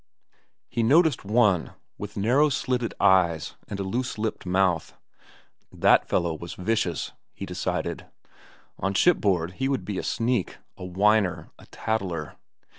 He noticed one with narrow slitted eyes and a loose lipped mouth. That fellow was vicious, he decided. On shipboard he would be a sneak, a whiner, a tattler.